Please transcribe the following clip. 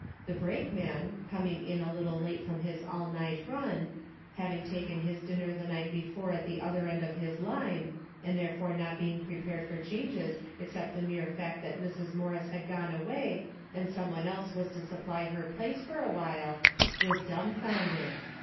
The brake man, coming in a little late from his all night run, having taken his dinner the night before at the other end of his line, and therefore not being prepared for changes except the mere fact that Mrs. Morris had gone away, and some one else Avas to supply her place for a while, was dumbfounded.